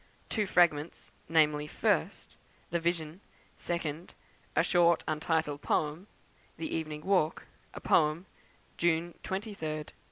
Two Fragments, namely, 1st, The Vision; 2nd, A Short untitled Poem; the Evening Walk, a Poem, June 23rd, 1830.